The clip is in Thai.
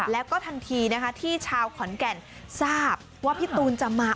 แล้วก็ทันทีนะคะที่ชาวขอนแก่นทราบว่าพี่ตูนจะมา